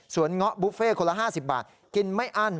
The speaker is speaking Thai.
ส่วนเงาะบุฟเฟ่คนละ๕๐บาทกินไม่อั้น